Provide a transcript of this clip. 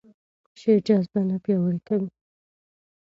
شعر جذبه نه پیاوړې کوي.